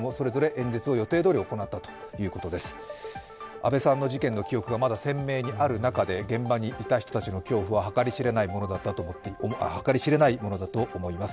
安倍さんの事件の記憶がまだ鮮明にある中で現場にいた人たちの恐怖は計り知れないものだと思います。